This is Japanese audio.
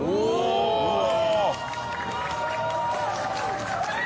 うわ！